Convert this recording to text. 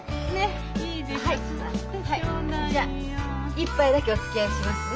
一杯だけおつきあいしますね。